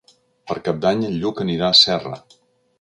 Per Cap d'Any en Lluc anirà a Serra.